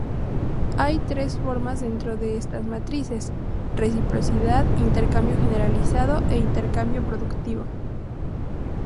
Hay tres formas dentro de estas matrices: reciprocidad, intercambio generalizado e intercambio productivo.